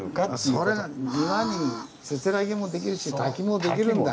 それは庭にせせらぎも出来るし滝も出来るんだ。